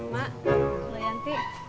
mak mau nyanti